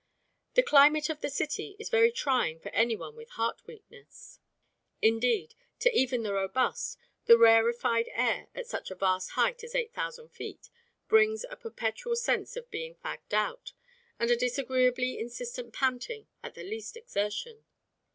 The climate of the city is very trying for any one with heart weakness. Indeed, to even the robust the rarefied air at such a vast height as 8,000 feet brings a perpetual sense of being fagged out, and a disagreeably insistent panting at the least exertion.